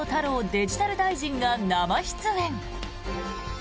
デジタル大臣が生出演。